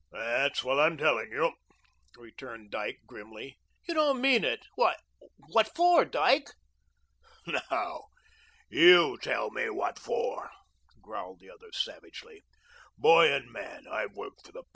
"That's what I'm telling you," returned Dyke grimly. "You don't mean it. Why, what for, Dyke?" "Now, YOU tell me what for," growled the other savagely. "Boy and man, I've worked for the P.